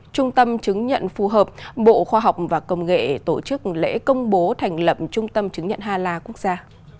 trung tâm chứng nhận phù hợp bộ khoa học và công nghệ tổ chức lễ công bố thành lập trung tâm chứng nhận hà la quốc gia